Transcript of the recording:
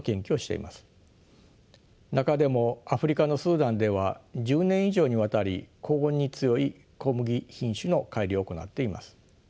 中でもアフリカのスーダンでは１０年以上にわたり高温に強い小麦品種の改良を行っています。